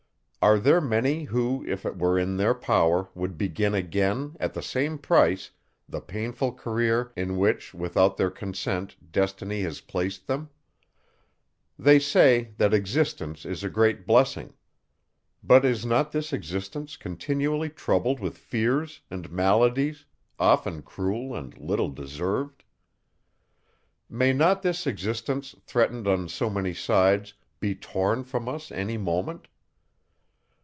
Are there many, who, if it were in their power would begin again, at the same price, the painful career, in which, without their consent, destiny has placed them? They say, that existence is a great blessing. But is not this existence continually troubled with fears, and maladies, often cruel and little deserved? May not this existence, threatened on so many sides, be torn from us any moment?